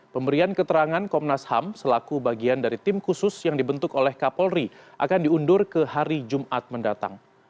pemberian keterangan komnas ham selaku bagian dari tim khusus yang dibentuk oleh kapolri akan diundur ke hari jumat mendatang